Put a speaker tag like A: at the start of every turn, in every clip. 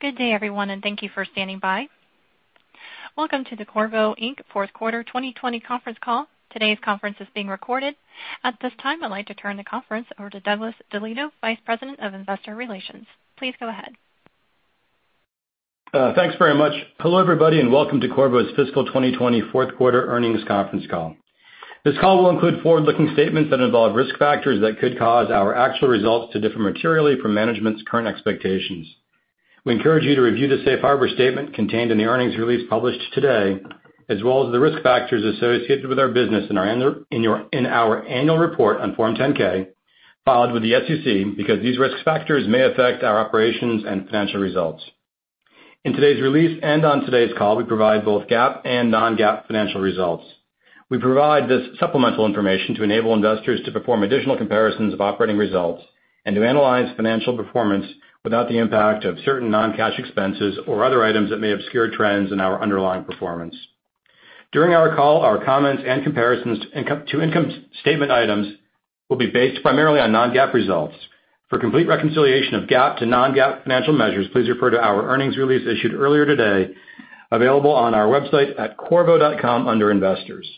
A: Good day, everyone, thank you for standing by. Welcome to the Qorvo Inc. Fourth Quarter 2020 conference call. Today's conference is being recorded. At this time, I'd like to turn the conference over to Douglas DeLieto, Vice President of Investor Relations. Please go ahead.
B: Thanks very much. Hello, everybody, welcome to Qorvo's fiscal 2020 fourth quarter earnings conference call. This call will include forward-looking statements that involve risk factors that could cause our actual results to differ materially from management's current expectations. We encourage you to review the safe harbor statement contained in the earnings release published today, as well as the risk factors associated with our business in our annual report on Form 10-K filed with the SEC because these risk factors may affect our operations and financial results. In today's release and on today's call, we provide both GAAP and non-GAAP financial results. We provide this supplemental information to enable investors to perform additional comparisons of operating results and to analyze financial performance without the impact of certain non-cash expenses or other items that may obscure trends in our underlying performance. During our call, our comments and comparisons to income statement items will be based primarily on non-GAAP results. For complete reconciliation of GAAP to non-GAAP financial measures, please refer to our earnings release issued earlier today, available on our website at qorvo.com under Investors.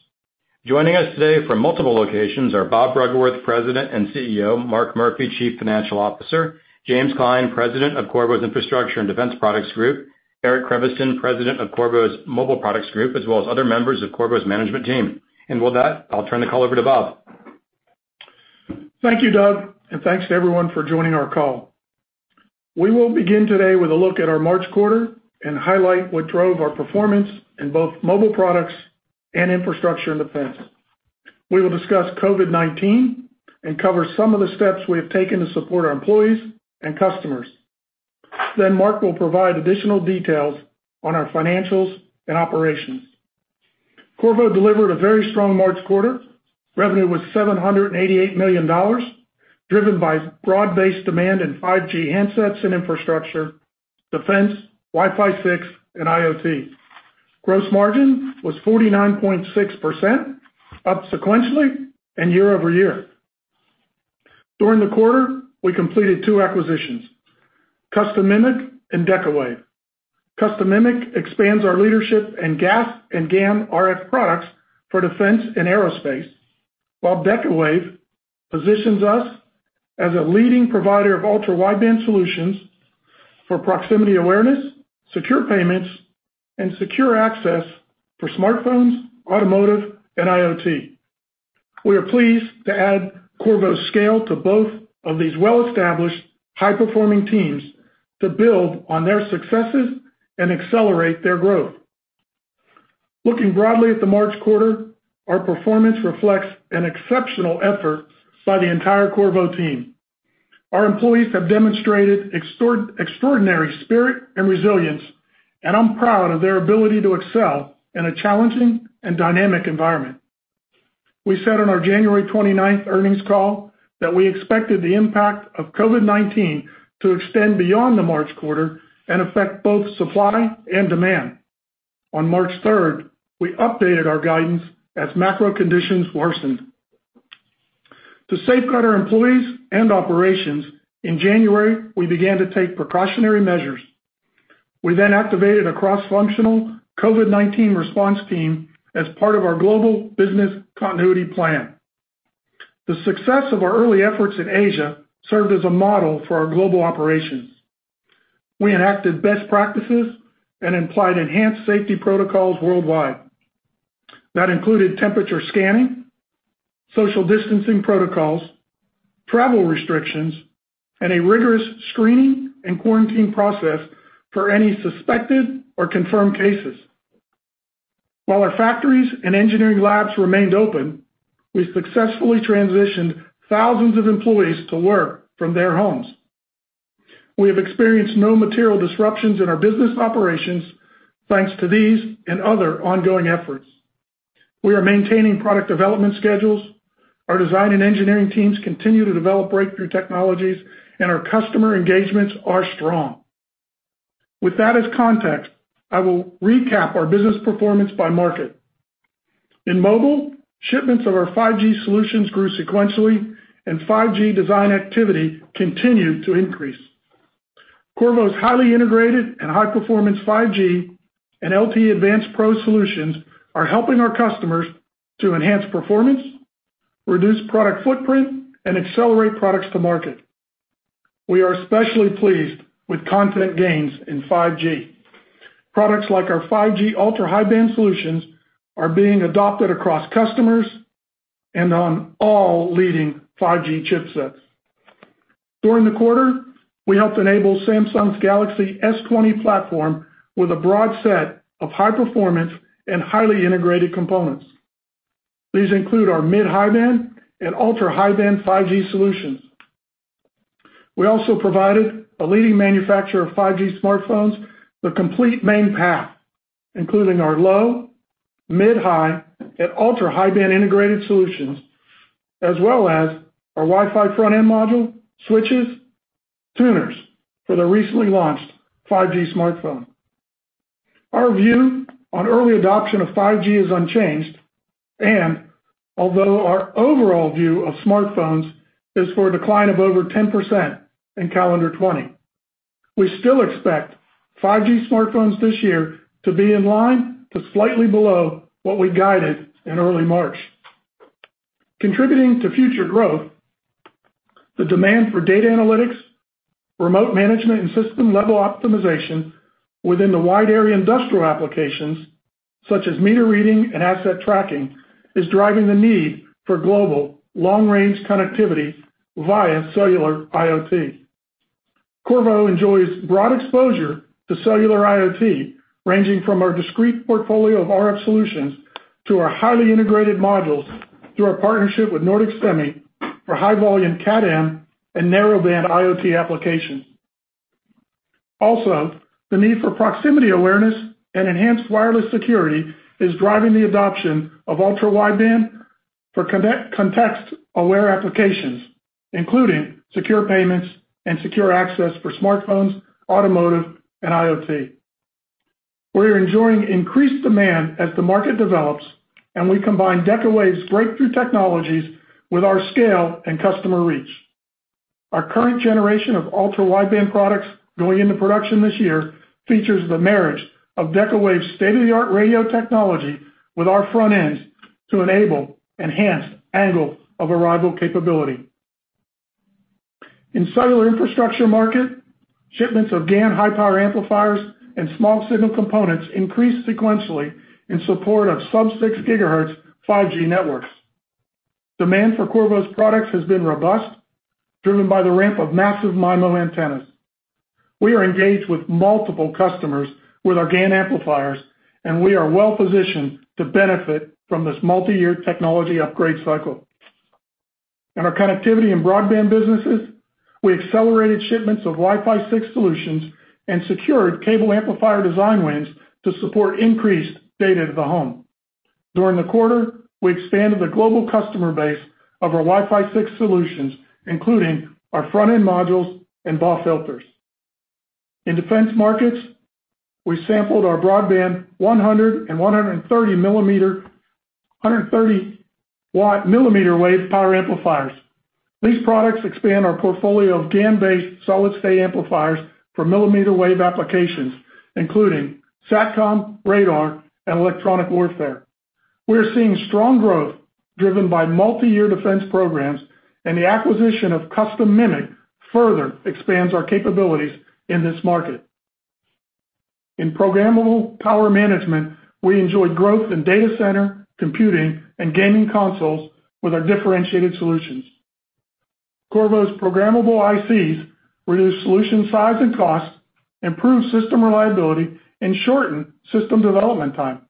B: Joining us today from multiple locations are Bob Bruggeworth, President and CEO, Mark Murphy, Chief Financial Officer, James Klein, President of Qorvo's Infrastructure and Defense Products group, Eric Creviston, President of Qorvo's Mobile Products group, as well as other members of Qorvo's management team. With that, I'll turn the call over to Bob.
C: Thank you, Doug, and thanks to everyone for joining our call. We will begin today with a look at our March quarter and highlight what drove our performance in both Mobile Products and Infrastructure and Defense. We will discuss COVID-19 and cover some of the steps we have taken to support our employees and customers. Mark will provide additional details on our financials and operations. Qorvo delivered a very strong March quarter. Revenue was $788 million, driven by broad-based demand in 5G handsets and infrastructure, defense, Wi-Fi 6, and IoT. Gross margin was 49.6%, up sequentially and year-over-year. During the quarter, we completed two acquisitions, Custom MMIC and Decawave. Custom MMIC expands our leadership in GaAs and GaN RF products for defense and aerospace, while Decawave positions us as a leading provider of ultra-wideband solutions for proximity awareness, secure payments, and secure access for smartphones, automotive, and IoT. We are pleased to add Qorvo's scale to both of these well-established, high-performing teams to build on their successes and accelerate their growth. Looking broadly at the March quarter, our performance reflects an exceptional effort by the entire Qorvo team. Our employees have demonstrated extraordinary spirit and resilience, and I'm proud of their ability to excel in a challenging and dynamic environment. We said on our January 29th earnings call that we expected the impact of COVID-19 to extend beyond the March quarter and affect both supply and demand. On March 3rd, we updated our guidance as macro conditions worsened. To safeguard our employees and operations, in January, we began to take precautionary measures. We activated a cross-functional COVID-19 response team as part of our global business continuity plan. The success of our early efforts in Asia served as a model for our global operations. We enacted best practices and applied enhanced safety protocols worldwide. That included temperature scanning, social distancing protocols, travel restrictions, and a rigorous screening and quarantine process for any suspected or confirmed cases. While our factories and engineering labs remained open, we successfully transitioned thousands of employees to work from their homes. We have experienced no material disruptions in our business operations, thanks to these and other ongoing efforts. We are maintaining product development schedules. Our design and engineering teams continue to develop breakthrough technologies, and our customer engagements are strong. With that as context, I will recap our business performance by market. In mobile, shipments of our 5G solutions grew sequentially, and 5G design activity continued to increase. Qorvo's highly integrated and high-performance 5G and LTE advanced pro solutions are helping our customers to enhance performance, reduce product footprint, and accelerate products to market. We are especially pleased with content gains in 5G. Products like our 5G ultra-high-band solutions are being adopted across customers and on all leading 5G chipsets. During the quarter, we helped enable Samsung's Galaxy S20 platform with a broad set of high performance and highly integrated components. These include our mid-high band and ultra-high band 5G solutions. We also provided a leading manufacturer of 5G smartphones the complete main path, including our low, mid-high, and ultra-high band integrated solutions, as well as our Wi-Fi front-end module, switches, tuners for the recently launched 5G smartphone. Our view on early adoption of 5G is unchanged, and although our overall view of smartphones is for a decline of over 10% in calendar 2020, we still expect 5G smartphones this year to be in line to slightly below what we guided in early March. Contributing to future growth, the demand for data analytics, remote management, and system-level optimization within the wide-area industrial applications, such as meter reading and asset tracking, is driving the need for global long-range connectivity via cellular IoT. Qorvo enjoys broad exposure to cellular IoT, ranging from our discrete portfolio of RF solutions to our highly integrated modules through our partnership with Nordic Semi for high-volume CAT-M and narrowband IoT applications. The need for proximity awareness and enhanced wireless security is driving the adoption of ultra-wideband for context-aware applications, including secure payments and secure access for smartphones, automotive, and IoT. We are enjoying increased demand as the market develops, and we combine Decawave's breakthrough technologies with our scale and customer reach. Our current generation of ultra-wideband products going into production this year features the marriage of Decawave's state-of-the-art radio technology with our front ends to enable enhanced angle of arrival capability. In cellular infrastructure market, shipments of GaN high-power amplifiers and small signal components increased sequentially in support of sub-6 GHz 5G networks. Demand for Qorvo's products has been robust, driven by the ramp of massive MIMO antennas. We are engaged with multiple customers with our GaN amplifiers. We are well-positioned to benefit from this multiyear technology upgrade cycle. In our connectivity and broadband businesses, we accelerated shipments of Wi-Fi 6 solutions and secured cable amplifier design wins to support increased data to the home. During the quarter, we expanded the global customer base of our Wi-Fi 6 solutions, including our front-end modules and BAW filters. In defense markets, we sampled our broadband 100 and 130 watt millimeter-wave power amplifiers. These products expand our portfolio of GaN-based solid-state amplifiers for millimeter-wave applications, including SatCom, radar, and electronic warfare. We are seeing strong growth driven by multiyear defense programs. The acquisition of Custom MMIC further expands our capabilities in this market. In Programmable Power Management, we enjoyed growth in data center, computing, and gaming consoles with our differentiated solutions. Qorvo's programmable ICs reduce solution size and cost, improve system reliability, and shorten system development time.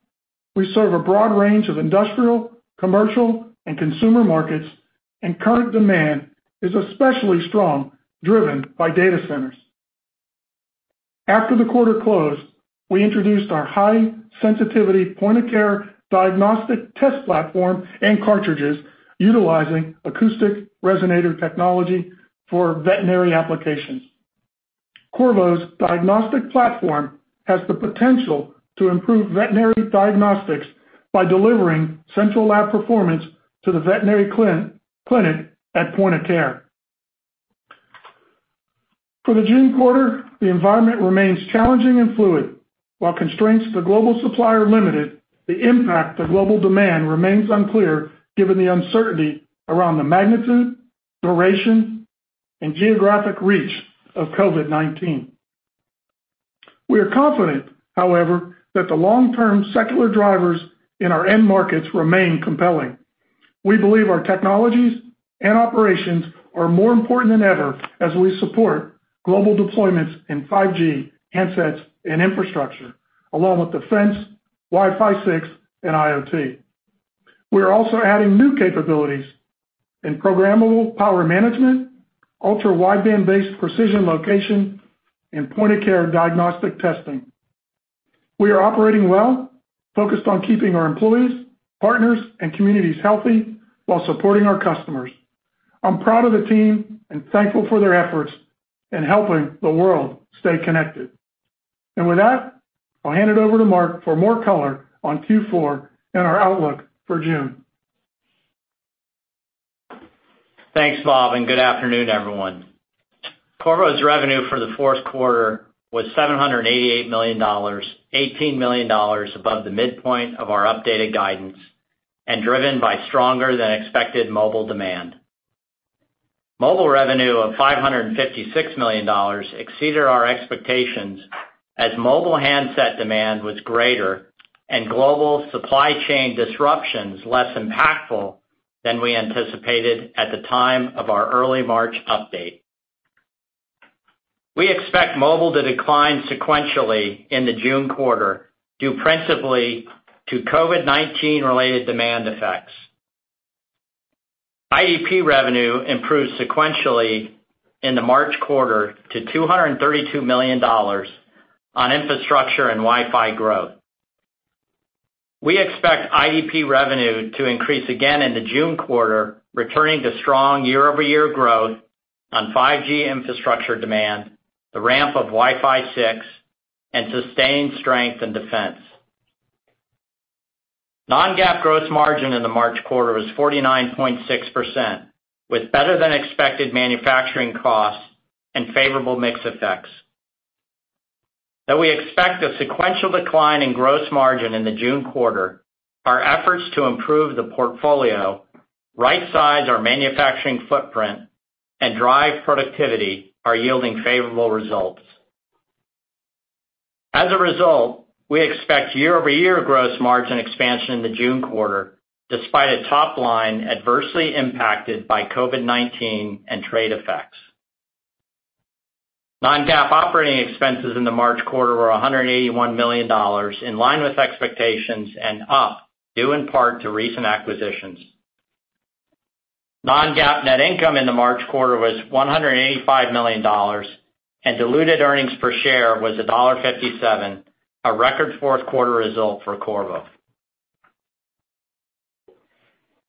C: We serve a broad range of industrial, commercial, and consumer markets. Current demand is especially strong, driven by data centers. After the quarter closed, we introduced our high-sensitivity point-of-care diagnostic test platform and cartridges utilizing acoustic resonator technology for veterinary applications. Qorvo's diagnostic platform has the potential to improve veterinary diagnostics by delivering central lab performance to the veterinary clinic at point of care. For the June quarter, the environment remains challenging and fluid. While constraints to the global supply are limited, the impact to global demand remains unclear given the uncertainty around the magnitude, duration, and geographic reach of COVID-19. We are confident, however, that the long-term secular drivers in our end markets remain compelling. We believe our technologies and operations are more important than ever as we support global deployments in 5G handsets and infrastructure, along with defense, Wi-Fi 6, and IoT. We are also adding new capabilities in Programmable Power Management, ultra-wideband-based precision location, and point-of-care diagnostic testing. We are operating well, focused on keeping our employees, partners, and communities healthy while supporting our customers. I'm proud of the team and thankful for their efforts in helping the world stay connected. With that, I'll hand it over to Mark for more color on Q4 and our outlook for June.
D: Thanks, Bob. Good afternoon, everyone. Qorvo's revenue for the fourth quarter was $788 million, $18 million above the midpoint of our updated guidance, and driven by stronger-than-expected mobile demand. Mobile revenue of $556 million exceeded our expectations as mobile handset demand was greater and global supply chain disruptions less impactful than we anticipated at the time of our early March update. We expect mobile to decline sequentially in the June quarter, due principally to COVID-19 related demand effects. IDP revenue improved sequentially in the March quarter to $232 million on infrastructure and Wi-Fi growth. We expect IDP revenue to increase again in the June quarter, returning to strong year-over-year growth on 5G infrastructure demand, the ramp of Wi-Fi 6, and sustained strength in defense. Non-GAAP gross margin in the March quarter was 49.6%, with better-than-expected manufacturing costs and favorable mix effects. Though we expect a sequential decline in gross margin in the June quarter, our efforts to improve the portfolio, right-size our manufacturing footprint, and drive productivity are yielding favorable results. As a result, we expect year-over-year gross margin expansion in the June quarter, despite a top line adversely impacted by COVID-19 and trade effects. Non-GAAP operating expenses in the March quarter were $181 million, in line with expectations and up, due in part to recent acquisitions. Non-GAAP net income in the March quarter was $185 million, and diluted earnings per share was $1.57, a record fourth quarter result for Qorvo.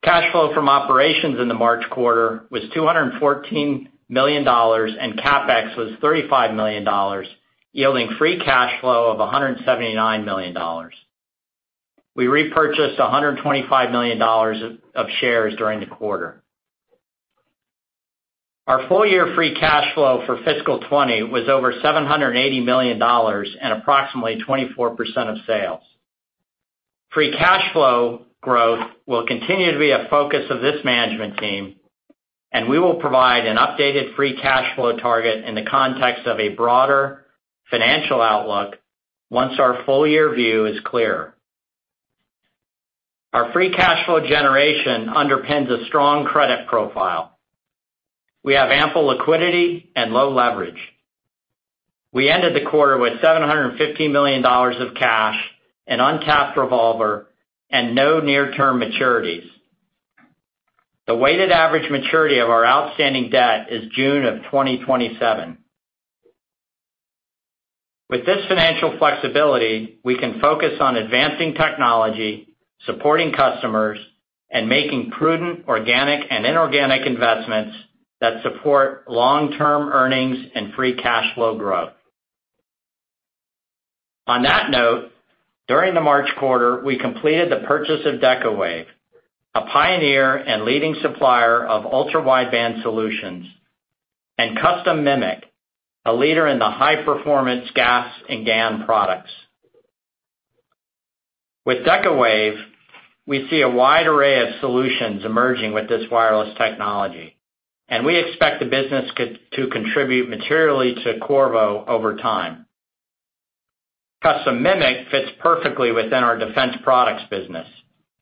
D: Cash flow from operations in the March quarter was $214 million, and CapEx was $35 million, yielding free cash flow of $179 million. We repurchased $125 million of shares during the quarter. Our full-year free cash flow for fiscal 2020 was over $780 million and approximately 24% of sales. Free cash flow growth will continue to be a focus of this management team, and we will provide an updated free cash flow target in the context of a broader financial outlook once our full-year view is clear. Our free cash flow generation underpins a strong credit profile. We have ample liquidity and low leverage. We ended the quarter with $750 million of cash, an untapped revolver, and no near-term maturities. The weighted average maturity of our outstanding debt is June of 2027. With this financial flexibility, we can focus on advancing technology, supporting customers, and making prudent organic and inorganic investments that support long-term earnings and free cash flow growth. On that note, during the March quarter, we completed the purchase of Decawave, a pioneer and leading supplier of ultra-wideband solutions, and Custom MMIC, a leader in the high-performance GaAs and GaN products. With Decawave, we see a wide array of solutions emerging with this wireless technology, and we expect the business to contribute materially to Qorvo over time. Custom MMIC fits perfectly within our defense products business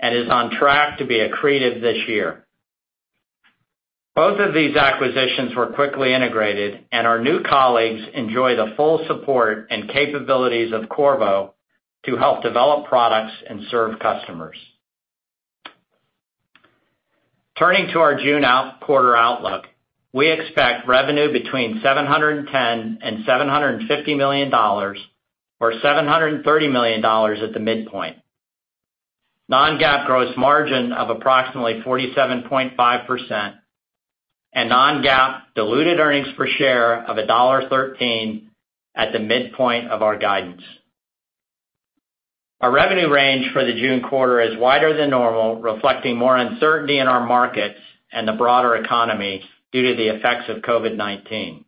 D: and is on track to be accretive this year. Both of these acquisitions were quickly integrated, and our new colleagues enjoy the full support and capabilities of Qorvo to help develop products and serve customers. Turning to our June quarter outlook, we expect revenue between $710 million and $750 million, or $730 million at the midpoint. Non-GAAP gross margin of approximately 47.5%, and non-GAAP diluted earnings per share of $1.13 at the midpoint of our guidance. Our revenue range for the June quarter is wider than normal, reflecting more uncertainty in our markets and the broader economy due to the effects of COVID-19.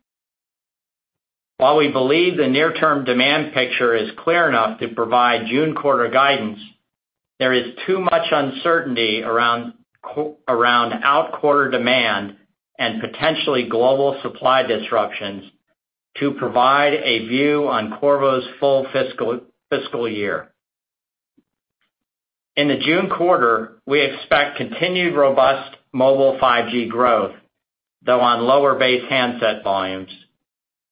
D: While we believe the near-term demand picture is clear enough to provide June quarter guidance, there is too much uncertainty around out-quarter demand and potentially global supply disruptions to provide a view on Qorvo's full fiscal year. In the June quarter, we expect continued robust mobile 5G growth, though on lower base handset volumes,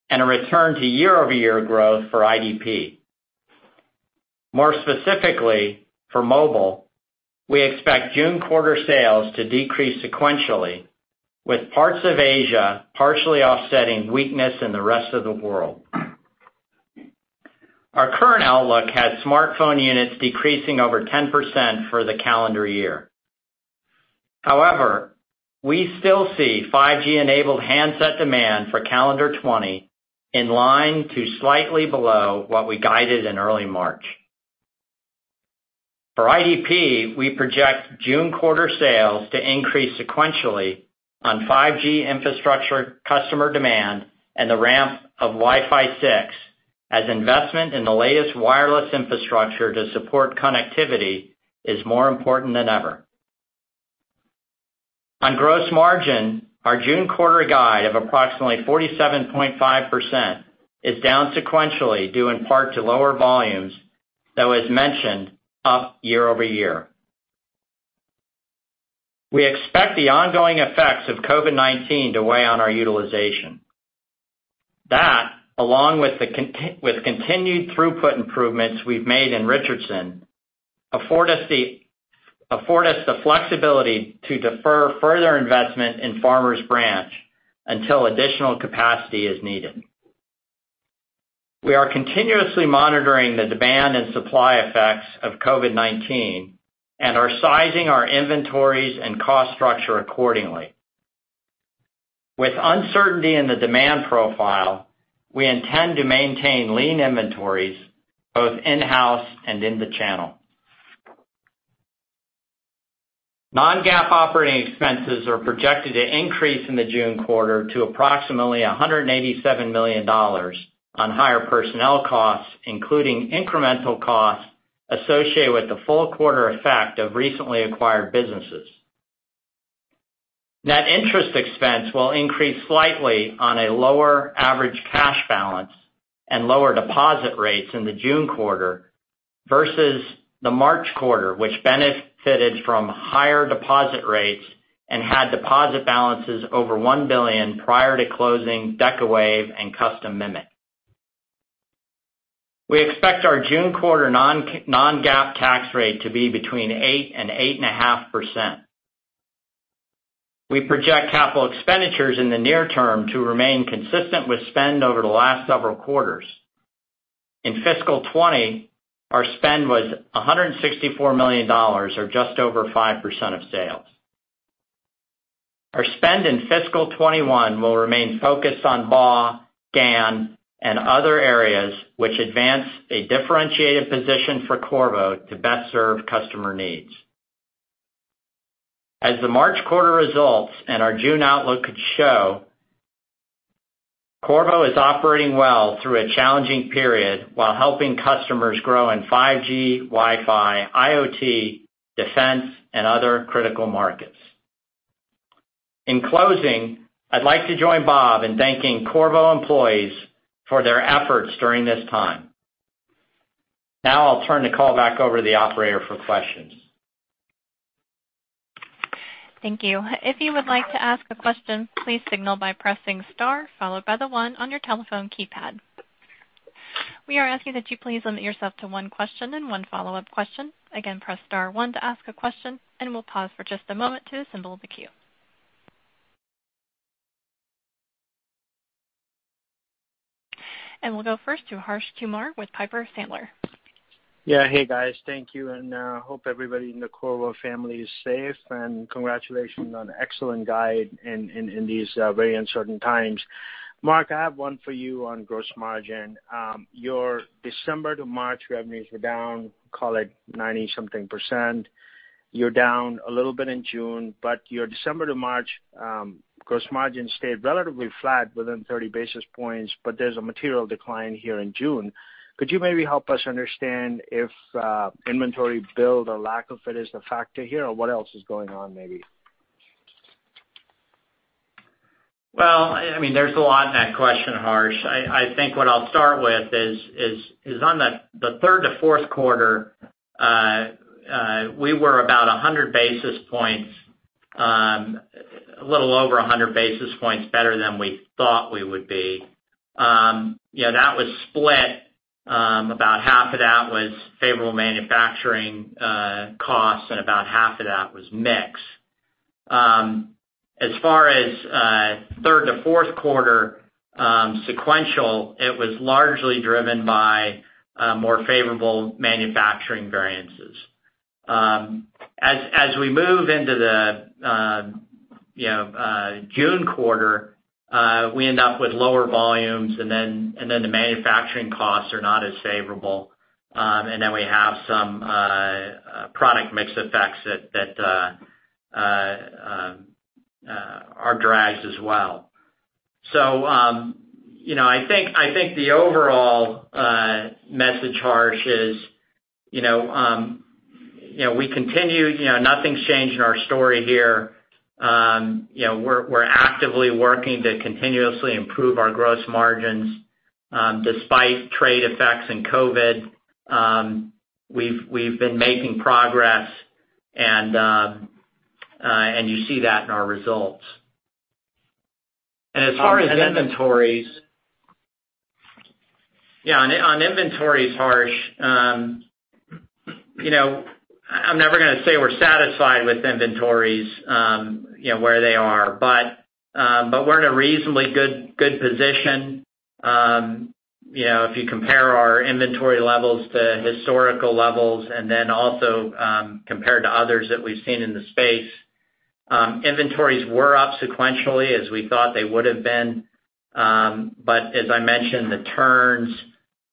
D: and a return to year-over-year growth for IDP. More specifically, for mobile, we expect June quarter sales to decrease sequentially, with parts of Asia partially offsetting weakness in the rest of the world. Our current outlook has smartphone units decreasing over 10% for the calendar year. However, we still see 5G-enabled handset demand for calendar 2020 in line to slightly below what we guided in early March. For IDP, we project June quarter sales to increase sequentially on 5G infrastructure customer demand and the ramp of Wi-Fi 6, as investment in the latest wireless infrastructure to support connectivity is more important than ever. On gross margin, our June quarter guide of approximately 47.5% is down sequentially, due in part to lower volumes, though as mentioned, up year-over-year. We expect the ongoing effects of COVID-19 to weigh on our utilization. That, along with continued throughput improvements we've made in Richardson, afford us the flexibility to defer further investment in Farmers Branch until additional capacity is needed. We are continuously monitoring the demand and supply effects of COVID-19 and are sizing our inventories and cost structure accordingly. With uncertainty in the demand profile, we intend to maintain lean inventories both in-house and in the channel. Non-GAAP operating expenses are projected to increase in the June quarter to approximately $187 million on higher personnel costs, including incremental costs associated with the full quarter effect of recently acquired businesses. Net interest expense will increase slightly on a lower average cash balance and lower deposit rates in the June quarter versus the March quarter, which benefited from higher deposit rates and had deposit balances over $1 billion prior to closing Decawave and Custom MMIC. We expect our June quarter non-GAAP tax rate to be between 8% and 8.5%. We project capital expenditures in the near term to remain consistent with spend over the last several quarters. In fiscal 2020, our spend was $164 million or just over 5% of sales. Our spend in fiscal 2021 will remain focused on BAW, GaN, and other areas which advance a differentiated position for Qorvo to best serve customer needs. As the March quarter results and our June outlook show, Qorvo is operating well through a challenging period while helping customers grow in 5G, Wi-Fi, IoT, defense, and other critical markets. In closing, I'd like to join Bob in thanking Qorvo employees for their efforts during this time. Now I'll turn the call back over to the operator for questions.
A: Thank you. If you would like to ask a question, please signal by pressing star followed by one on your telephone keypad. We are asking that you please limit yourself to one question and one follow-up question. Again, press star one to ask a question, and we'll pause for just a moment to assemble the queue. We'll go first to Harsh Kumar with Piper Sandler.
E: Yeah. Hey, guys. Thank you, and hope everybody in the Qorvo family is safe, and congratulations on an excellent guide in these very uncertain times. Mark, I have one for you on gross margin. Your December to March revenues were down, call it 90-something%. You're down a little bit in June, but your December to March gross margin stayed relatively flat within 30 basis points, but there's a material decline here in June. Could you maybe help us understand if inventory build or lack of it is the factor here, or what else is going on, maybe?
D: There's a lot in that question, Harsh. I think what I'll start with is on the third to fourth quarter, we were a little over 100 basis points better than we thought we would be. That was split, about half of that was favorable manufacturing costs and about half of that was mix. As far as third to fourth quarter sequential, it was largely driven by more favorable manufacturing variances. As we move into the June quarter, we end up with lower volumes, the manufacturing costs are not as favorable. We have some product mix effects that are drags as well. I think the overall message, Harsh, is we continue, nothing's changed in our story here. We're actively working to continuously improve our gross margins. Despite trade effects and COVID, we've been making progress, and you see that in our results. As far as inventories, Harsh, I'm never going to say we're satisfied with inventories where they are. We're in a reasonably good position. If you compare our inventory levels to historical levels and then also compared to others that we've seen in the space, inventories were up sequentially as we thought they would have been. As I mentioned, the turns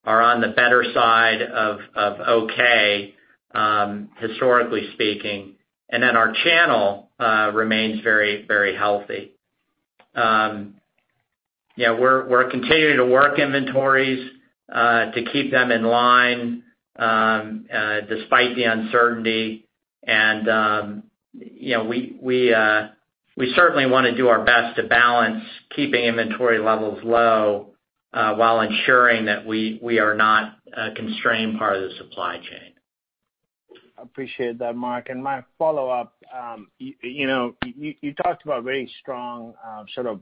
D: are on the better side of okay, historically speaking, and then our channel remains very healthy. We're continuing to work inventories to keep them in line despite the uncertainty. We certainly want to do our best to balance keeping inventory levels low while ensuring that we are not a constrained part of the supply chain.
E: Appreciate that, Mark. My follow-up, you talked about very strong sort of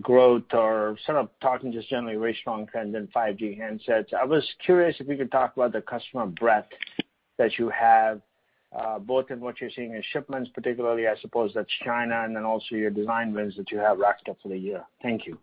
E: growth or sort of talking just generally very strong trends in 5G handsets. I was curious if you could talk about the customer breadth that you have both in what you're seeing in shipments, particularly, I suppose that's China, also your design wins that you have racked up for the year. Thank you.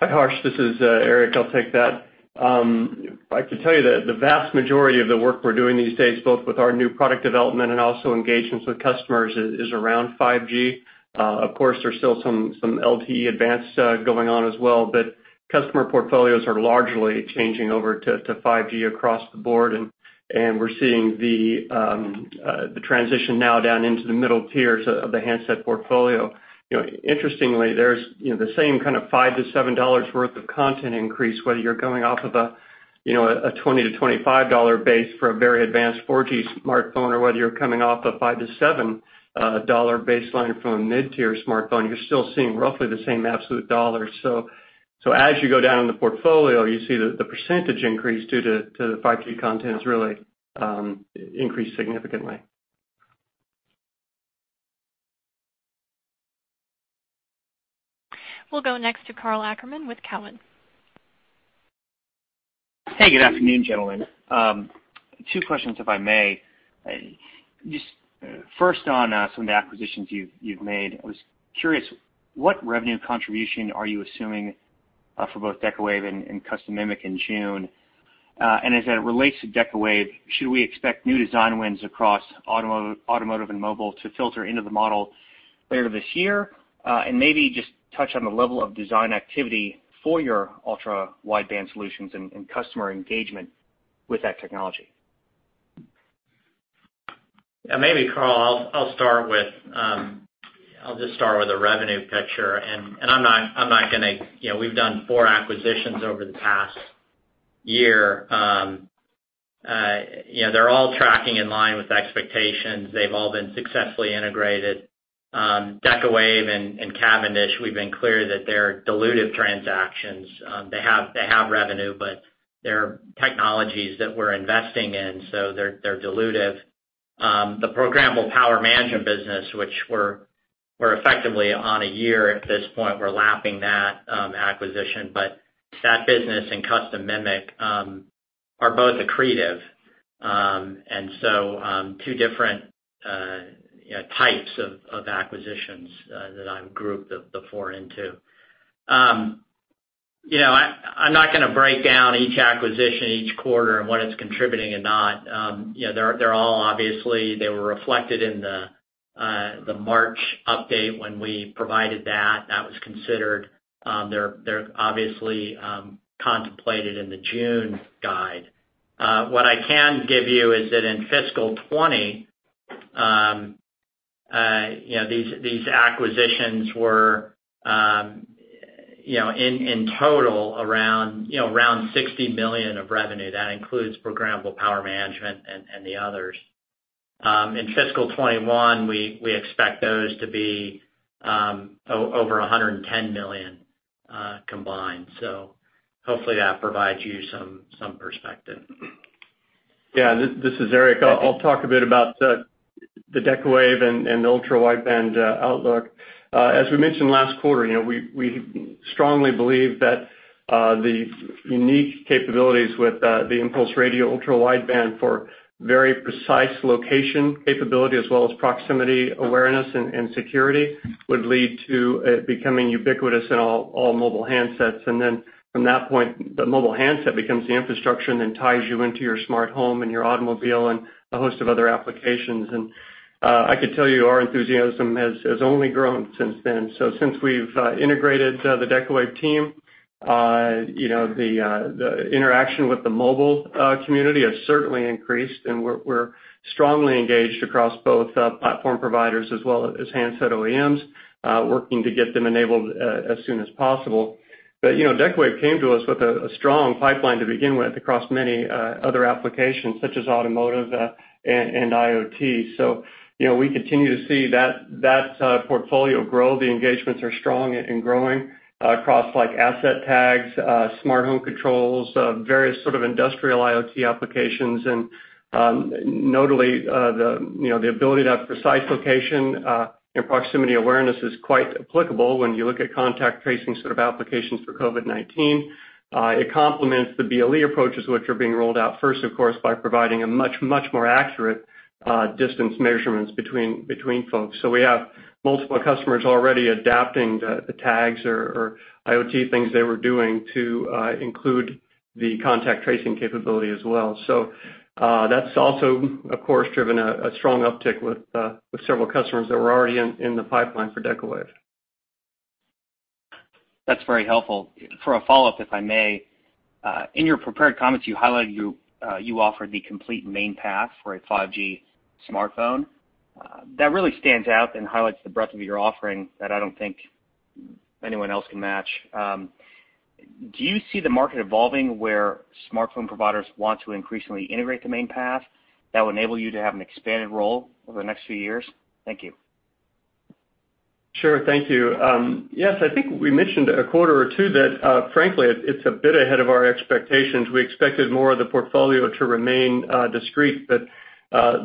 F: Hi, Harsh. This is Eric, I'll take that. I can tell you that the vast majority of the work we're doing these days, both with our new product development and also engagements with customers, is around 5G. Of course, there's still some LTE advanced going on as well, but customer portfolios are largely changing over to 5G across the board, and we're seeing the transition now down into the middle tiers of the handset portfolio. Interestingly, there's the same kind of $5-$7 worth of content increase, whether you're going off of a $20-$25 base for a very advanced 4G smartphone, or whether you're coming off a $5-$7 baseline from a mid-tier smartphone. You're still seeing roughly the same absolute dollar. As you go down in the portfolio, you see the percrntage increase due to the 5G content has really increased significantly.
A: We'll go next to Karl Ackerman with Cowen.
G: Hey, good afternoon, gentlemen. Two questions, if I may. Just first on some of the acquisitions you've made. I was curious, what revenue contribution are you assuming for both Decawave and Custom MMIC in June? As it relates to Decawave, should we expect new design wins across automotive and mobile to filter into the model later this year? Maybe just touch on the level of design activity for your ultra-wideband solutions and customer engagement with that technology.
D: Yeah, maybe, Karl, I'll just start with the revenue picture. I'm not going to. We've done four acquisitions over the past year. They're all tracking in line with expectations. They've all been successfully integrated. Decawave and Cavendish, we've been clear that they're dilutive transactions. They have revenue, but they're technologies that we're investing in, so they're dilutive. The Programmable Power Management business, which we're effectively on a year at this point, we're lapping that acquisition. That business and Custom MMIC are both accretive. Two different types of acquisitions that I've grouped the four into. I'm not going to break down each acquisition each quarter and what it's contributing and not. They're all obviously, they were reflected in the March update when we provided that. That was considered. They're obviously contemplated in the June guide. What I can give you is that in fiscal 2020 these acquisitions were, in total, around $60 million of revenue. That includes Programmable Power Management and the others. In fiscal 2021, we expect those to be over $110 million combined. Hopefully that provides you some perspective.
F: Yeah, this is Eric. I'll talk a bit about the Decawave and the ultra-wideband outlook. As we mentioned last quarter, we strongly believe that the unique capabilities with the impulse radio ultra-wideband for very precise location capability as well as proximity awareness and security would lead to it becoming ubiquitous in all mobile handsets. From that point, the mobile handset becomes the infrastructure and then ties you into your smart home and your automobile and a host of other applications. I can tell you our enthusiasm has only grown since then. Since we've integrated the Decawave team, the interaction with the mobile community has certainly increased, and we're strongly engaged across both platform providers as well as handset OEMs, working to get them enabled as soon as possible. Decawave came to us with a strong pipeline to begin with across many other applications, such as automotive and IoT. We continue to see that portfolio grow. The engagements are strong and growing across asset tags, smart home controls, various sort of industrial IoT applications, and notably the ability to have precise location and proximity awareness is quite applicable when you look at contact tracing sort of applications for COVID-19. It complements the BLE approaches, which are being rolled out first, of course, by providing a much, much more accurate distance measurements between folks. We have multiple customers already adapting the tags or IoT things they were doing to include the contact tracing capability as well. That's also, of course, driven a strong uptick with several customers that were already in the pipeline for Decawave.
G: That's very helpful. For a follow-up, if I may. In your prepared comments, you highlighted you offer the complete main path for a 5G smartphone. That really stands out and highlights the breadth of your offering that I don't think anyone else can match. Do you see the market evolving where smartphone providers want to increasingly integrate the main path that will enable you to have an expanded role over the next few years? Thank you.
F: Sure. Thank you. Yes, I think we mentioned a quarter or two that, frankly, it's a bit ahead of our expectations. We expected more of the portfolio to remain discrete,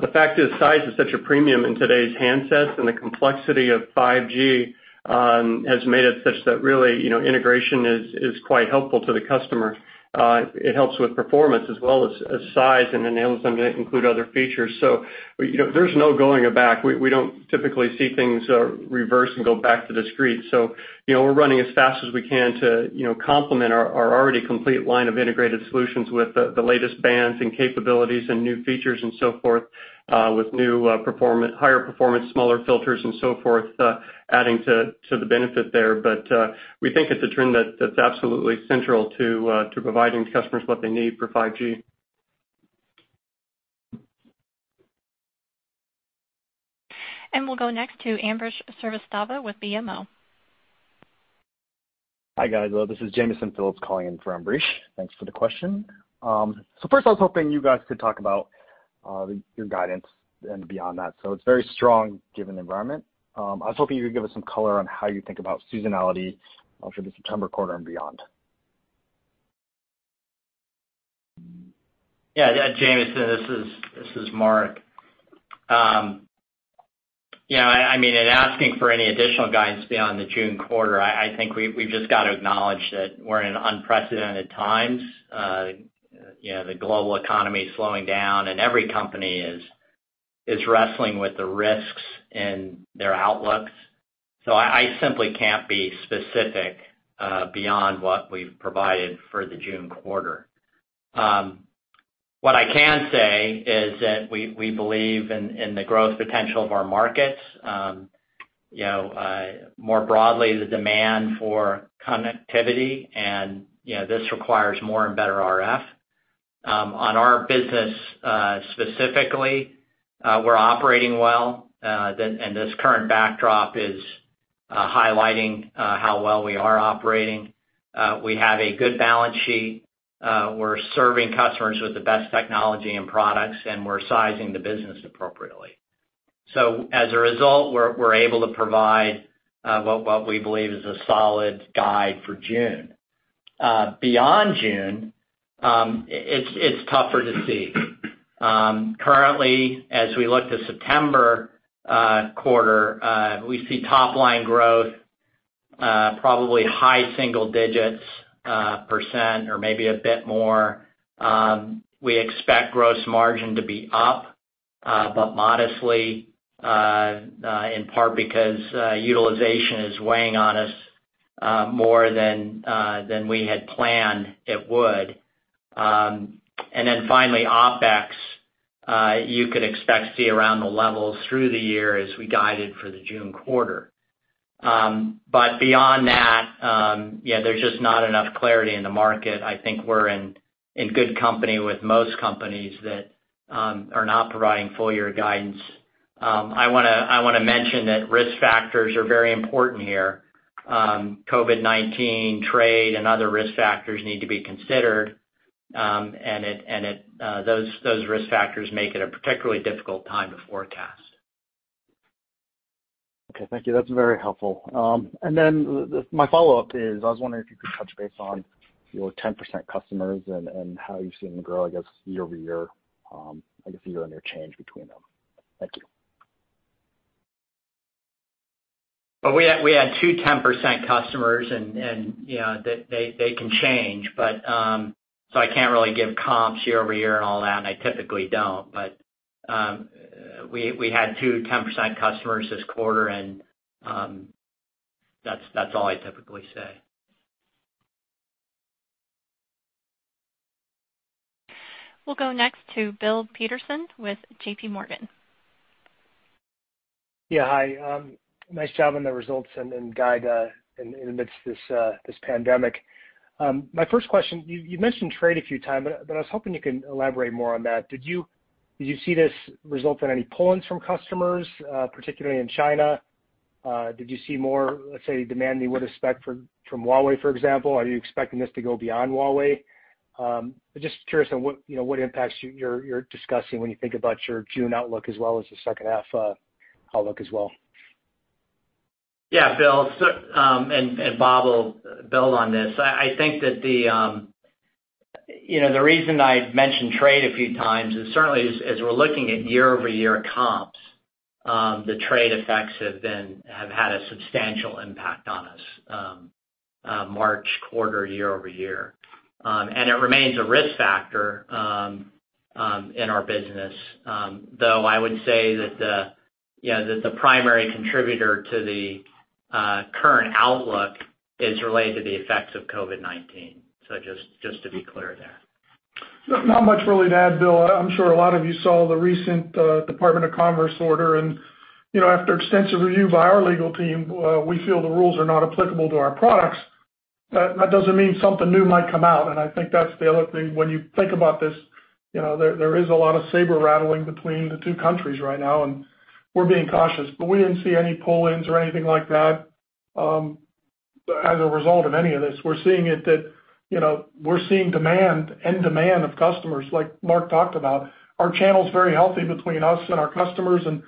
F: the fact is size is such a premium in today's handsets, and the complexity of 5G has made it such that really, integration is quite helpful to the customer. It helps with performance as well as size and enables them to include other features. There's no going back. We don't typically see things reverse and go back to discrete. We're running as fast as we can to complement our already complete line of integrated solutions with the latest bands and capabilities and new features and so forth, with new higher performance, smaller filters and so forth, adding to the benefit there. We think it's a trend that's absolutely central to providing customers what they need for 5G.
A: We'll go next to Ambrish Srivastava with BMO.
H: Hi, guys. This is Jamison Phillips calling in for Ambrish. Thanks for the question. First, I was hoping you guys could talk about your guidance and beyond that. It's very strong given the environment. I was hoping you could give us some color on how you think about seasonality for the September quarter and beyond.
D: Yeah, Jamison, this is Mark. In asking for any additional guidance beyond the June quarter, I think we've just got to acknowledge that we're in unprecedented times. The global economy is slowing down, and every company is wrestling with the risks in their outlooks. I simply can't be specific beyond what we've provided for the June quarter. What I can say is that we believe in the growth potential of our markets. More broadly, the demand for connectivity, this requires more and better RF. On our business, specifically, we're operating well, and this current backdrop is highlighting how well we are operating. We have a good balance sheet. We're serving customers with the best technology and products, and we're sizing the business appropriately. As a result, we're able to provide what we believe is a solid guide for June. Beyond June, it's tougher to see. Currently, as we look to September quarter, we see top-line growth, probably high single digits percent or maybe a bit more. We expect gross margin to be up, but modestly, in part because utilization is weighing on us more than we had planned it would. Finally, OpEx, you could expect to see around the levels through the year as we guided for the June quarter. Beyond that, there's just not enough clarity in the market. I think we're in good company with most companies that are not providing full-year guidance. I want to mention that risk factors are very important here. COVID-19, trade, and other risk factors need to be considered, and those risk factors make it a particularly difficult time to forecast.
H: Okay, thank you. That's very helpful. My follow-up is, I was wondering if you could touch base on your 10% customers and how you've seen them grow, I guess, year-over-year, I guess either/or change between them. Thank you.
D: We had two 10% customers, and they can change. I can't really give comps year-over-year and all that, and I typically don't. We had two 10% customers this quarter, and that's all I typically say.
A: We'll go next to Bill Peterson with JPMorgan.
I: Yeah, hi. Nice job on the results and guide in the midst of this pandemic. My first question, you mentioned trade a few times, I was hoping you can elaborate more on that. Did you see this result in any pull-ins from customers, particularly in China? Did you see more, let's say, demand you would expect from Huawei, for example? Are you expecting this to go beyond Huawei? Just curious on what impacts you're discussing when you think about your June outlook as well as the second half outlook as well.
D: Yeah, Bill. Bob will build on this. I think that the reason I mentioned trade a few times is certainly as we're looking at year-over-year comps, the trade effects have had a substantial impact on us March quarter, year-over-year. It remains a risk factor in our business. Though I would say that the primary contributor to the current outlook is related to the effects of COVID-19. Just to be clear there.
C: Not much really to add, Bill. I'm sure a lot of you saw the recent Department of Commerce order, and after extensive review by our legal team, we feel the rules are not applicable to our products. That doesn't mean something new might come out, and I think that's the other thing. When you think about this, there is a lot of saber-rattling between the two countries right now, and we're being cautious. We didn't see any pull-ins or anything like that. As a result of any of this, we're seeing demand, end demand of customers like Mark talked about. Our channel's very healthy between us and our customers, and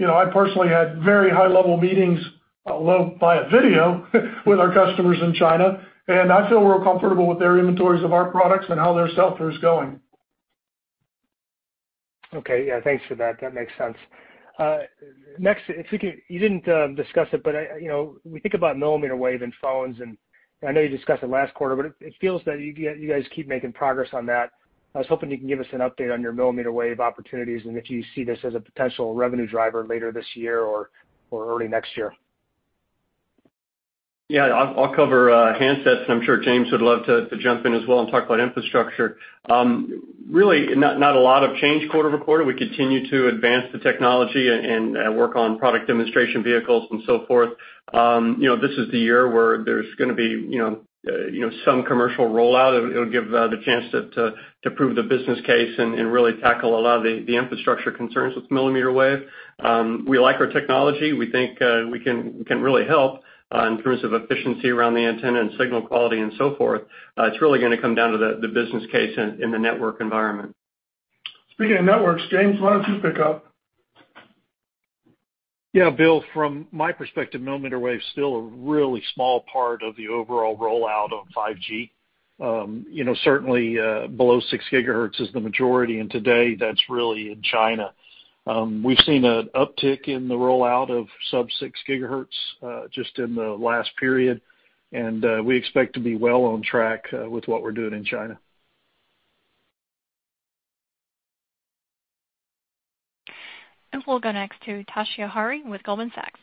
C: I personally had very high-level meetings, although via video, with our customers in China, and I feel real comfortable with their inventories of our products and how their sell-through is going.
I: Okay. Yeah, thanks for that. That makes sense. Next, you didn't discuss it, but we think about millimeter-wave in phones, and I know you discussed it last quarter, but it feels that you guys keep making progress on that. I was hoping you can give us an update on your millimeter-wave opportunities and if you see this as a potential revenue driver later this year or early next year.
F: Yeah, I'll cover handsets, and I'm sure James would love to jump in as well and talk about infrastructure. Really, not a lot of change quarter-over-quarter. We continue to advance the technology and work on product demonstration vehicles and so forth. This is the year where there's going to be some commercial rollout. It'll give the chance to prove the business case and really tackle a lot of the infrastructure concerns with millimeter-wave. We like our technology. We think we can really help in terms of efficiency around the antenna and signal quality and so forth. It's really going to come down to the business case in the network environment.
C: Speaking of networks, James, why don't you pick up?
J: Yeah, Bill, from my perspective, millimeter-wave's still a really small part of the overall rollout of 5G. Certainly below 6 GHz is the majority, and today that's really in China. We've seen an uptick in the rollout of sub-6 GHz just in the last period, and we expect to be well on track with what we're doing in China.
A: We'll go next to Toshiya Hari with Goldman Sachs.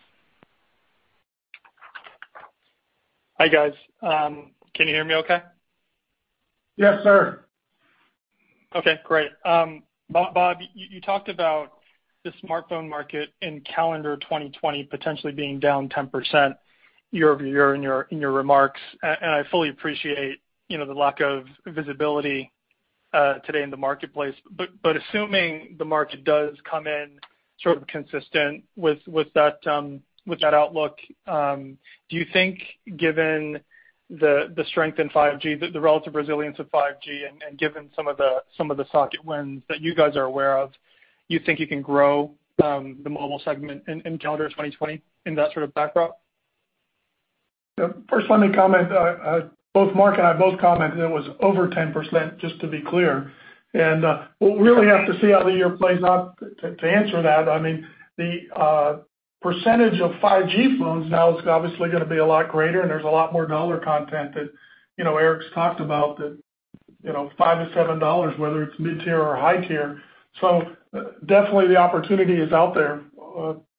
K: Hi, guys. Can you hear me okay?
C: Yes, sir.
K: Okay, great. Bob, you talked about the smartphone market in calendar 2020 potentially being down 10% year-over-year in your remarks. I fully appreciate the lack of visibility today in the marketplace, assuming the market does come in sort of consistent with that outlook, do you think given the strength in 5G, the relative resilience of 5G and given some of the socket wins that you guys are aware of, you think you can grow the mobile segment in calendar 2020 in that sort of backdrop?
C: First, let me comment, both Mark and I both commented it was over 10%, just to be clear. We'll really have to see how the year plays out to answer that. The percentage of 5G phones now is obviously going to be a lot greater, and there's a lot more dollar content that Eric's talked about that $5-$7, whether it's mid-tier or high tier. Definitely the opportunity is out there.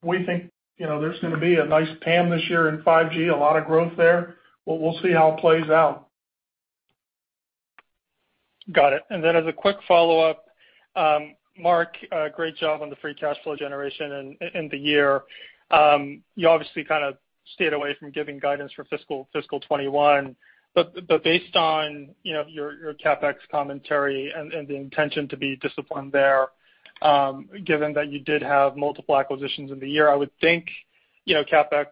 C: We think there's going to be a nice TAM this year in 5G, a lot of growth there. We'll see how it plays out.
K: Got it. As a quick follow-up, Mark, great job on the free cash flow generation in the year. You obviously kind of stayed away from giving guidance for fiscal 2021. Based on your CapEx commentary and the intention to be disciplined there, given that you did have multiple acquisitions in the year, I would think, CapEx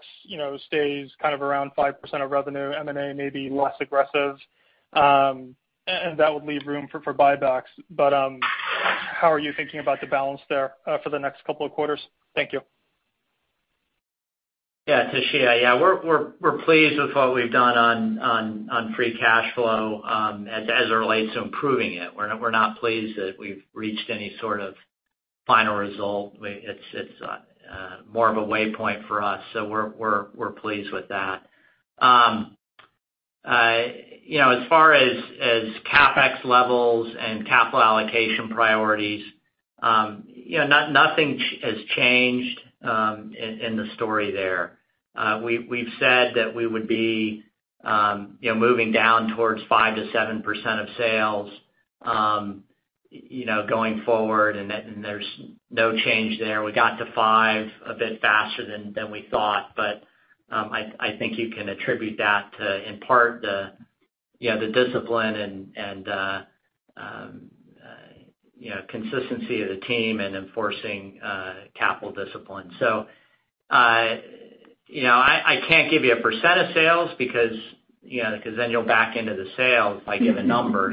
K: stays kind of around 5% of revenue, M&A may be less aggressive, and that would leave room for buybacks. How are you thinking about the balance there for the next couple of quarters? Thank you.
D: Yeah, Toshiya. We're pleased with what we've done on free cash flow as it relates to improving it. We're not pleased that we've reached any sort of final result. It's more of a waypoint for us. We're pleased with that. As far as CapEx levels and capital allocation priorities, nothing has changed in the story there. We've said that we would be moving down towards 5%-7% of sales going forward. There's no change there. We got to 5% a bit faster than we thought. I think you can attribute that to, in part, the discipline and consistency of the team in enforcing capital discipline. I can't give you a percent of sales because then you'll back into the sales if I give a number.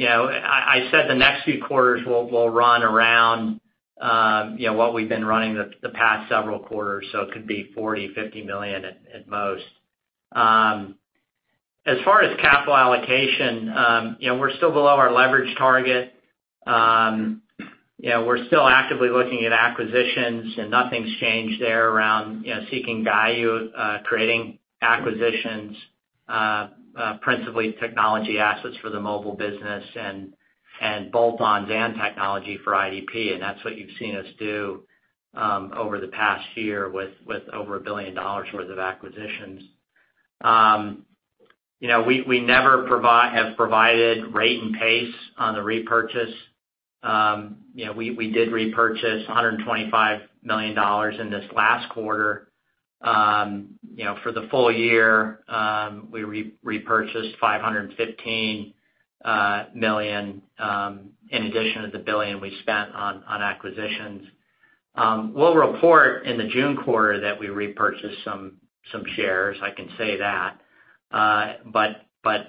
D: I said the next few quarters will run around what we've been running the past several quarters, so it could be $40, $50 million at most. As far as capital allocation, we're still below our leverage target. We're still actively looking at acquisitions, and nothing's changed there around seeking value, creating acquisitions, principally technology assets for the mobile business and bolt-ons and technology for IDP, and that's what you've seen us do over the past year with over $1 billion worth of acquisitions. We never have provided rate and pace on the repurchase. We did repurchase $125 million in this last quarter. For the full year, we repurchased $515 million, in addition to the $1 billion we spent on acquisitions. We'll report in the June quarter that we repurchased some shares, I can say that.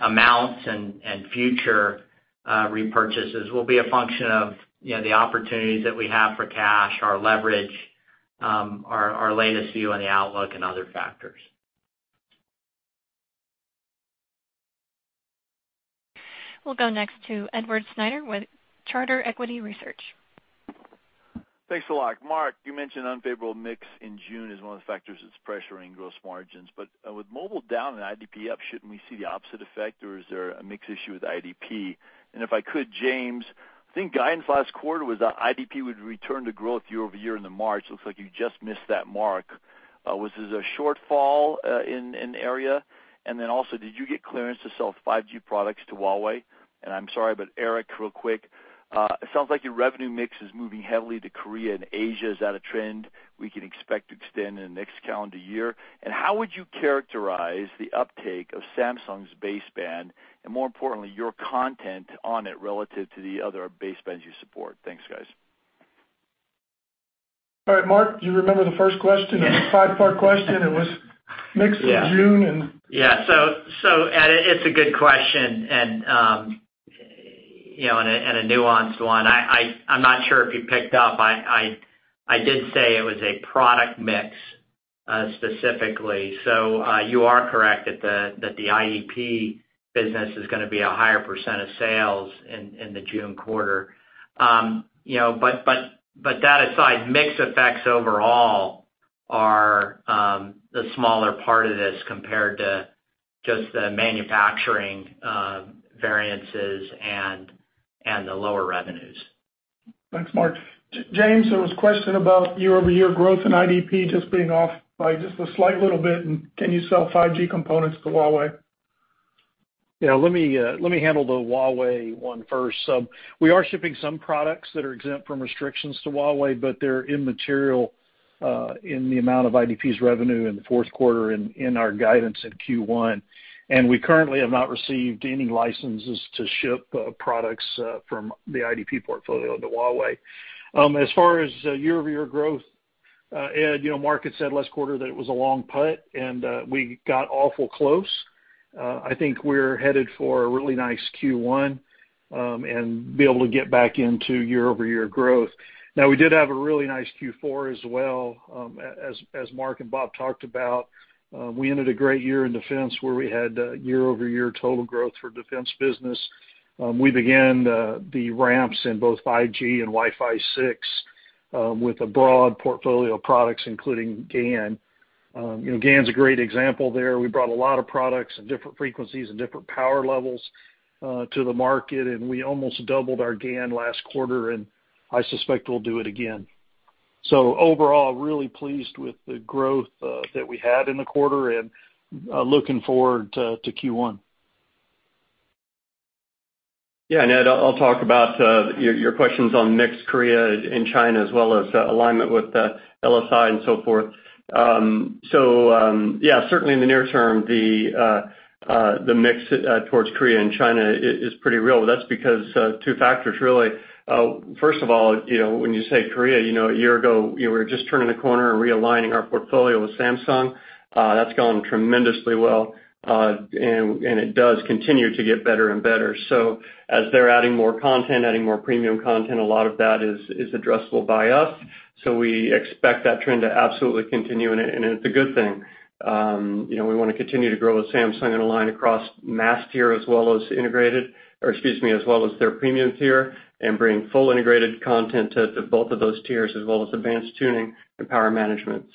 D: Amounts and future repurchases will be a function of the opportunities that we have for cash, our leverage, our latest view on the outlook, and other factors.
A: We'll go next to Edward Snyder with Charter Equity Research.
L: Thanks a lot. Mark, you mentioned unfavorable mix in June as one of the factors that's pressuring gross margins. With mobile down and IDP up, shouldn't we see the opposite effect, or is there a mix issue with IDP? If I could, James, I think guidance last quarter was that IDP would return to growth year-over-year in the March. Looks like you just missed that mark. Was this a shortfall in the area? Also, did you get clearance to sell 5G products to Huawei? I'm sorry, Eric, real quick, it sounds like your revenue mix is moving heavily to Korea and Asia. Is that a trend we can expect to extend in the next calendar year? How would you characterize the uptake of Samsung's baseband, and more importantly, your content on it relative to the other basebands you support? Thanks, guys.
C: All right, Mark, do you remember the first question?
D: Yeah.
C: It was a five-part question. It was mix of June.
D: Yeah. Ed, it's a good question and a nuanced one. I'm not sure if you picked up, I did say it was a product mix, specifically. You are correct that the IDP business is going to be a higher percentage of sales in the June quarter. That aside, mix effects overall are the smaller part of this compared to just the manufacturing variances and the lower revenues.
C: Thanks, Mark. James, there was a question about year-over-year growth in IDP just being off by just a slight little bit, and can you sell 5G components to Huawei?
J: Let me handle the Huawei one first. We are shipping some products that are exempt from restrictions to Huawei, but they're immaterial in the amount of IDP's revenue in the fourth quarter and in our guidance in Q1. We currently have not received any licenses to ship products from the IDP portfolio to Huawei. As far as year-over-year growth, Ed, Mark had said last quarter that it was a long putt, and we got awful close. I think we're headed for a really nice Q1, and be able to get back into year-over-year growth. We did have a really nice Q4 as well, as Mark and Bob talked about. We ended a great year in defense, where we had year-over-year total growth for defense business. We began the ramps in both 5G and Wi-Fi 6 with a broad portfolio of products, including GaN. GaN's a great example there. We brought a lot of products at different frequencies and different power levels to the market. We almost doubled our GaN last quarter. I suspect we'll do it again. Overall, really pleased with the growth that we had in the quarter. Looking forward to Q1.
F: Yeah, Ed, I'll talk about your questions on mix, Korea, and China, as well as alignment with LSI and so forth. Yeah, certainly in the near term, the mix towards Korea and China is pretty real. That's because of two factors, really. First of all, when you say Korea, a year ago, we were just turning the corner and realigning our portfolio with Samsung. That's gone tremendously well, and it does continue to get better and better. As they're adding more content, adding more premium content, a lot of that is addressable by us. We expect that trend to absolutely continue, and it's a good thing. We want to continue to grow with Samsung and align across mass tier as well as their premium tier, and bring full integrated content to both of those tiers, as well as advanced tuning and power management.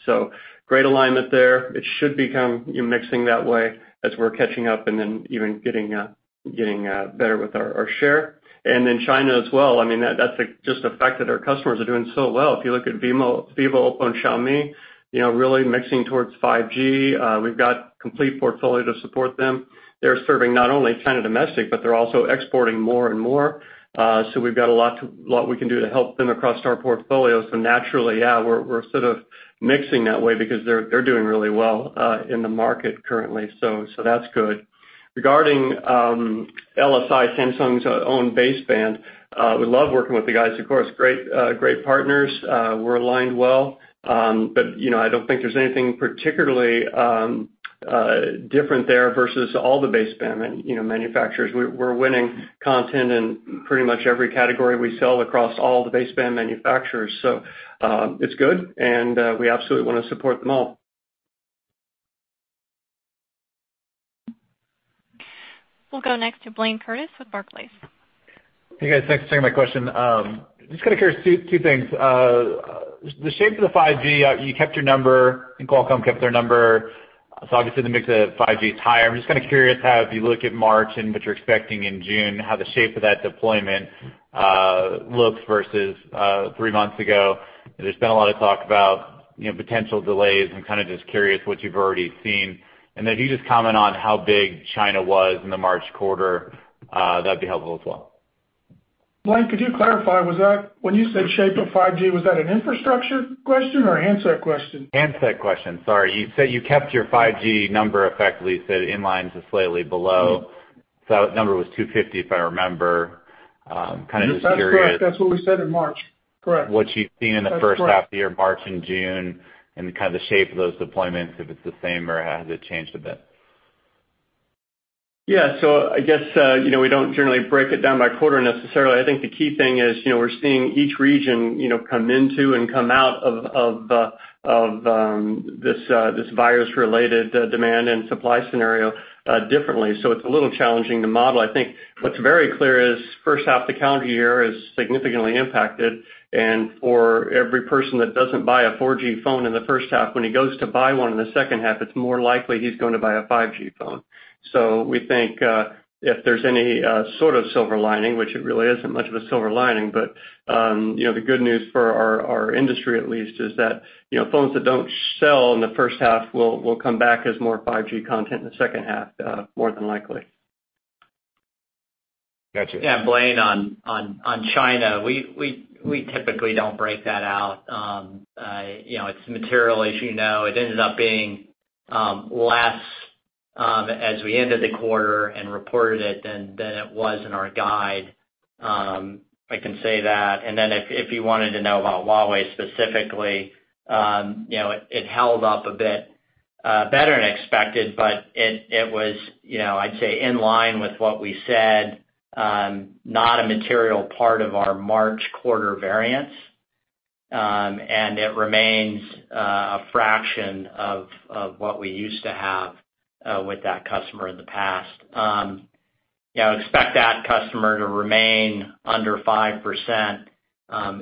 F: Great alignment there. It should become mixing that way as we're catching up and then even getting better with our share. China as well, that's just the fact that our customers are doing so well. If you look at Vivo, Oppo, and Xiaomi, really mixing towards 5G. We've got complete portfolio to support them. They're serving not only China domestic, but they're also exporting more and more. We've got a lot we can do to help them across our portfolio. Naturally, yeah, we're sort of mixing that way because they're doing really well in the market currently, that's good. Regarding LSI, Samsung's own baseband, we love working with the guys, of course. Great partners. We're aligned well. I don't think there's anything particularly different there versus all the baseband manufacturers. We're winning content in pretty much every category we sell across all the baseband manufacturers. It's good, and we absolutely want to support them all.
A: We'll go next to Blayne Curtis with Barclays.
M: Hey, guys, thanks for taking my question. Just kind of curious, two things. The shape of the 5G, you kept your number, and Qualcomm kept their number, so obviously the mix of 5G is higher. I'm just kind of curious how, as you look at March and what you're expecting in June, how the shape of that deployment looks versus three months ago. There's been a lot of talk about potential delays, and kind of just curious what you've already seen. Then can you just comment on how big China was in the March quarter? That'd be helpful as well.
C: Blayne, could you clarify, when you said shape of 5G, was that an infrastructure question or a handset question?
M: Handset question. Sorry. You said you kept your 5G number effectively, you said in line to slightly below. That number was 250, if I remember.
C: That's correct. That's what we said in March. Correct.
M: what you've seen in the first half of the year, March and June, and the kind of the shape of those deployments, if it's the same or has it changed a bit?
F: I guess, we don't generally break it down by quarter necessarily. I think the key thing is we're seeing each region come into and come out of this virus-related demand and supply scenario differently. It's a little challenging to model. I think what's very clear is first half of the calendar year is significantly impacted, and for every person that doesn't buy a 4G phone in the first half, when he goes to buy one in the second half, it's more likely he's going to buy a 5G phone. We think, if there's any sort of silver lining, which it really isn't much of a silver lining, but the good news for our industry at least is that phones that don't sell in the first half will come back as more 5G content in the second half, more than likely.
M: Got you.
D: Yeah. Blayne, on China, we typically don't break that out. It's material as you know, it ended up being less, as we ended the quarter and reported it than it was in our guide. I can say that, and then if you wanted to know about Huawei specifically, it held up a bit better than expected, but it was, I'd say, in line with what we said, not a material part of our March quarter variance. It remains a fraction of what we used to have with that customer in the past. I would expect that customer to remain under 5%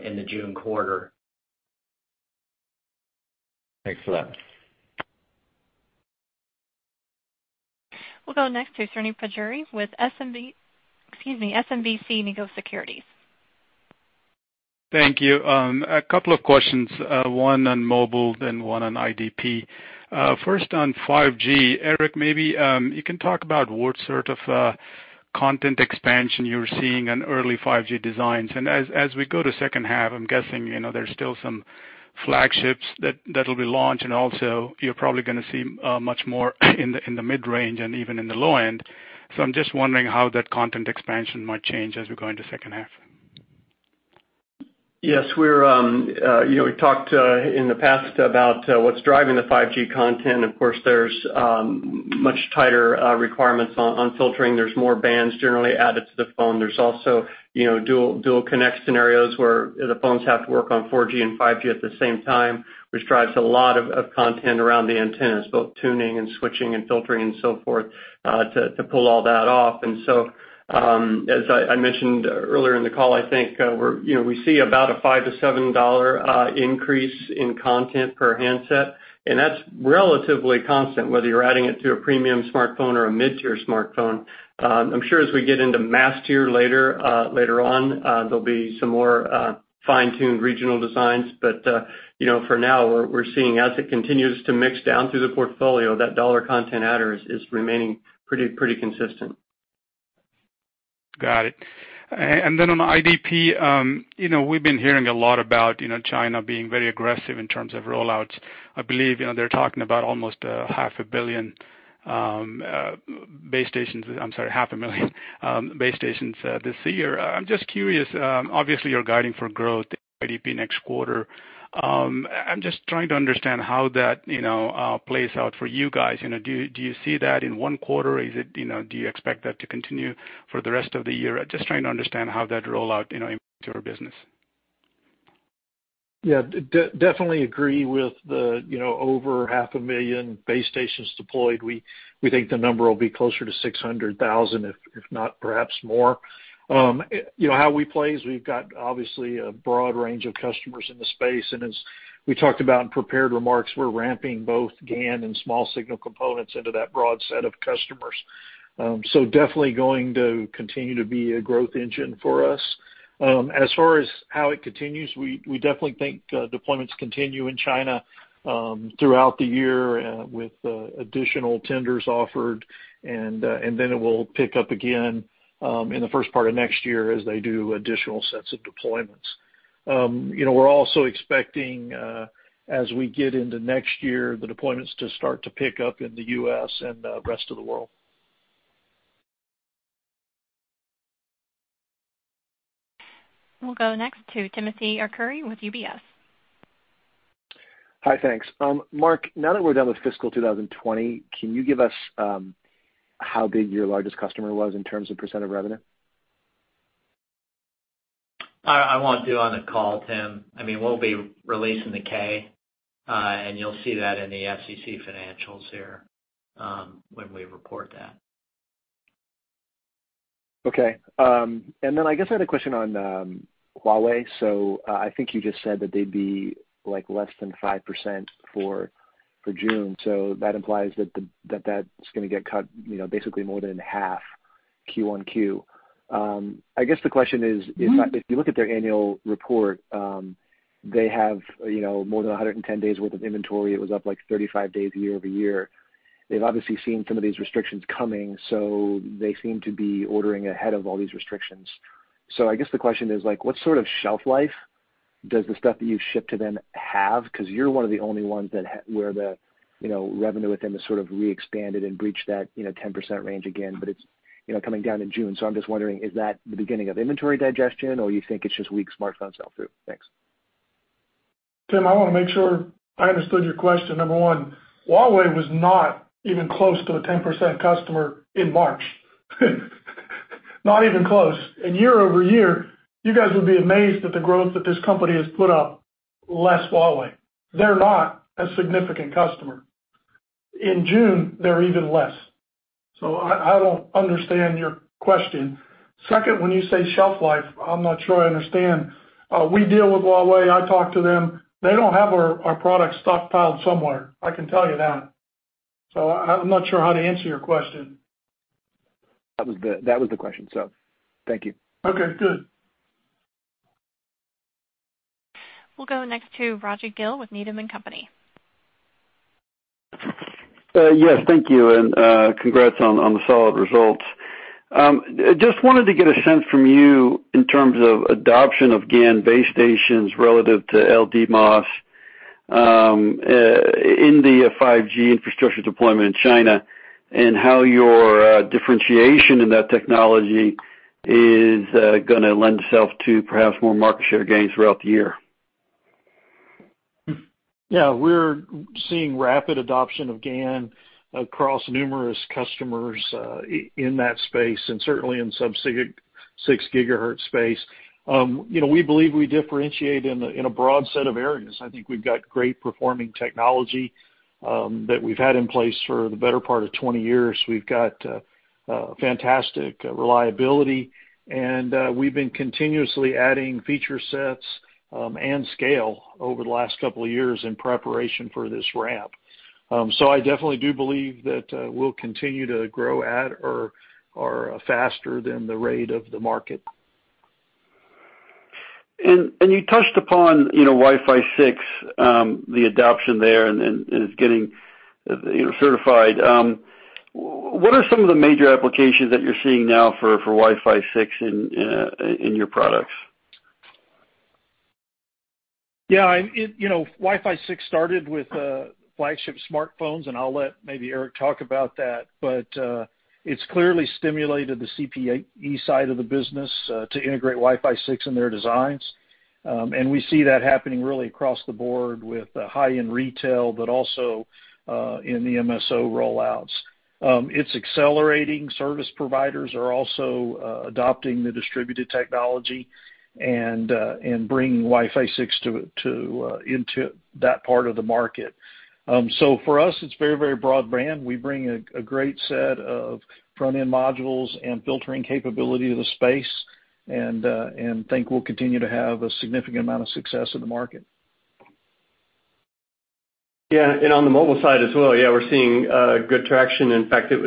D: in the June quarter.
M: Thanks for that.
A: We'll go next to Srini Pajjuri with, excuse me, SMBC Nikko Securities.
N: Thank you. A couple of questions, one on mobile, then one on IDP. First on 5G, Eric, maybe, you can talk about what sort of content expansion you're seeing on early 5G designs. As we go to second half, I'm guessing, there's still some flagships that'll be launched, and also you're probably gonna see much more in the mid-range and even in the low-end. I'm just wondering how that content expansion might change as we go into second half.
F: We talked in the past about what's driving the 5G content. There's much tighter requirements on filtering. There's more bands generally added to the phone. There's also dual connect scenarios where the phones have to work on 4G and 5G at the same time, which drives a lot of content around the antennas, both tuning and switching and filtering and so forth, to pull all that off. As I mentioned earlier in the call, I think, we see about a $5-$7 increase in content per handset, and that's relatively constant, whether you're adding it to a premium smartphone or a mid-tier smartphone. I'm sure as we get into mass tier later on, there'll be some more fine-tuned regional designs. For now, we're seeing as it continues to mix down through the portfolio, that dollar content adder is remaining pretty consistent.
N: Got it. On IDP, we've been hearing a lot about China being very aggressive in terms of rollouts. I believe they're talking about almost a 500,000,000 base stations, I'm sorry, 500,000 base stations this year. I'm just curious, obviously you're guiding for growth IDP next quarter. I'm just trying to understand how that plays out for you guys. Do you see that in one quarter? Do you expect that to continue for the rest of the year? Just trying to understand how that rollout impacts your business.
J: Yeah. Definitely agree with the over 500,000 base stations deployed. We think the number will be closer to 600,000, if not perhaps more. How we play is we've got obviously a broad range of customers in the space, and as we talked about in prepared remarks, we're ramping both GaN and small signal components into that broad set of customers. Definitely going to continue to be a growth engine for us. As far as how it continues, we definitely think deployments continue in China throughout the year with additional tenders offered, and then it will pick up again in the first part of next year as they do additional sets of deployments. We're also expecting, as we get into next year, the deployments to start to pick up in the U.S. and the rest of the world.
A: We'll go next to Timothy Arcuri with UBS.
O: Hi. Thanks. Mark, now that we're done with fiscal 2020, can you give us how big your largest customer was in terms of percentage of revenue?
D: I won't do on the call, Tim. We'll be releasing the K. You'll see that in the SEC financials here when we report that.
O: Okay. I guess I had a question on Huawei. I think you just said that they'd be less than 5% for June. That implies that that's gonna get cut basically more than half Q-on-Q. I guess the question is. If you look at their annual report, they have more than 110 days worth of inventory. It was up 35 days year-over-year. They've obviously seen some of these restrictions coming, they seem to be ordering ahead of all these restrictions. I guess the question is, what sort of shelf life does the stuff that you ship to them have? You're one of the only ones where the revenue with them has sort of re-expanded and breached that 10% range again, it's coming down in June. I'm just wondering, is that the beginning of inventory digestion, or you think it's just weak smartphone sell-through? Thanks.
C: Tim, I want to make sure I understood your question. Number one, Huawei was not even close to a 10% customer in March. Not even close. Year-over-year, you guys would be amazed at the growth that this company has put up, less Huawei. They're not a significant customer. In June, they're even less. I don't understand your question. Second, when you say shelf life, I'm not sure I understand. We deal with Huawei. I talk to them. They don't have our products stockpiled somewhere, I can tell you that. I'm not sure how to answer your question.
O: That was the question. Thank you.
C: Okay, good.
A: We'll go next to Rajvindra Gill with Needham & Company.
P: Yes, thank you. Congrats on the solid results. Just wanted to get a sense from you in terms of adoption of GaN base stations relative to LDMOS, in the 5G infrastructure deployment in China, and how your differentiation in that technology is going to lend itself to perhaps more market share gains throughout the year.
J: Yeah, we're seeing rapid adoption of GaN across numerous customers in that space, and certainly in sub-6 GHz space. We believe we differentiate in a broad set of areas. I think we've got great performing technology that we've had in place for the better part of 20 years. We've got fantastic reliability, and we've been continuously adding feature sets and scale over the last couple of years in preparation for this ramp. I definitely do believe that we'll continue to grow at or faster than the rate of the market.
P: You touched upon Wi-Fi 6, the adoption there, and it's getting certified. What are some of the major applications that you're seeing now for Wi-Fi 6 in your products?
J: Yeah. I'll let maybe Eric talk about that, but it's clearly stimulated the CPE side of the business to integrate Wi-Fi 6 in their designs. We see that happening really across the board with high-end retail, but also in the MSO rollouts. It's accelerating. Service providers are also adopting the distributed technology and bringing Wi-Fi 6 into that part of the market. For us, it's very broad brand. We bring a great set of front-end modules and filtering capability to the space and think we'll continue to have a significant amount of success in the market.
F: On the mobile side as well, we're seeing good traction. In fact, our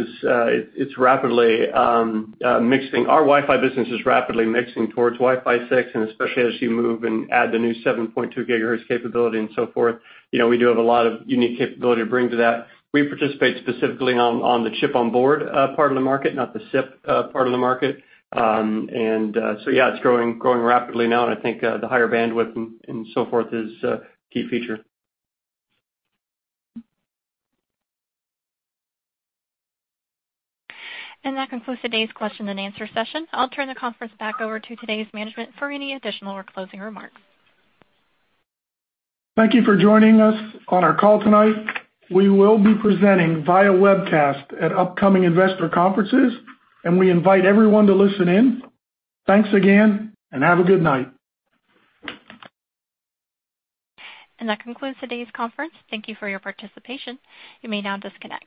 F: Wi-Fi business is rapidly mixing towards Wi-Fi 6, and especially as you move and add the new 7.2 GHz capability and so forth. We do have a lot of unique capability to bring to that. We participate specifically on the chip-on-board part of the market, not the SIP part of the market. It's growing rapidly now, and I think the higher bandwidth and so forth is a key feature.
A: That concludes today's question and answer session. I'll turn the conference back over to today's management for any additional or closing remarks.
C: Thank you for joining us on our call tonight. We will be presenting via webcast at upcoming investor conferences, and we invite everyone to listen in. Thanks again, and have a good night.
A: That concludes today's conference. Thank you for your participation. You may now disconnect.